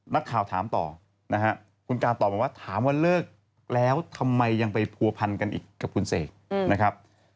นักข่าวถามต่อนะฮะคุณการตอบบอกว่าถามว่าเลิกแล้วทำไมยังไปผัวพันกันอีกกับคุณเสกนะครับ